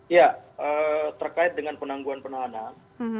ya terkait dengan penangguhan penahanan